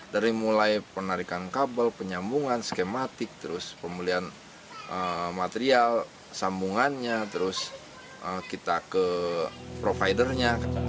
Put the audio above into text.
dari mulai penarikan kabel penyambungan skematik terus pemulihan material sambungannya terus kita ke providernya